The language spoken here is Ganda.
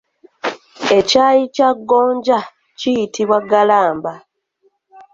Ekyayi kya gonja kiyitibwa ggalamba.